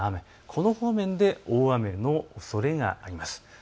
この方面で大雨のおそれがあります。